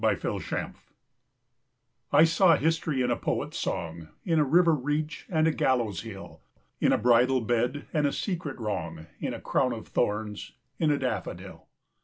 SYMBOLS I saw history in a poet's song, In a river reach and a gallows hill, In a bridal bed, and a secret wrong, In a crown of thorns: in a daffodil.